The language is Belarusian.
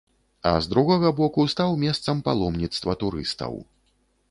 А з другога боку, стаў месцам паломніцтва турыстаў.